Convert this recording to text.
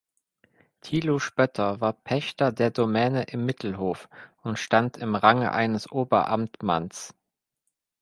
Thilo Spötter war Pächter der Domäne in Mittelhof und stand im Range eines Oberamtmanns.